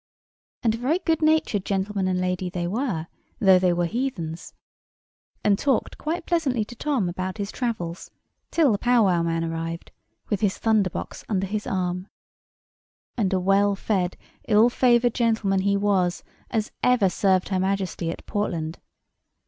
And a very good natured gentleman and lady they were, though they were heathens; and talked quite pleasantly to Tom about his travels, till the Powwow man arrived, with his thunderbox under his arm. And a well fed, ill favoured gentleman he was, as ever served Her Majesty at Portland.